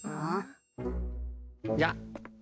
じゃあ。